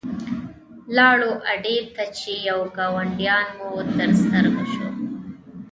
لاړو اډې ته چې یو ګاډیوان مو تر سترګو شو.